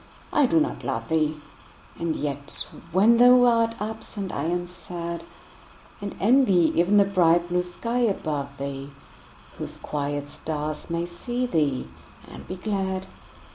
I do not love thee! And yet when thou art absent I am sad; And envy even the bright blue sky above thee, Whose quiet stars may see thee and be glad.